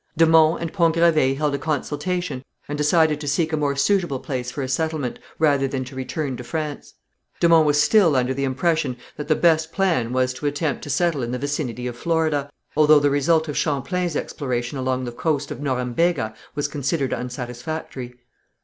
De Monts and Pont Gravé held a consultation and decided to seek a more suitable place for a settlement, rather than to return to France. De Monts was still under the impression that the best plan was to attempt to settle in the vicinity of Florida, although the result of Champlain's exploration along the coast of the Norembega was considered unsatisfactory.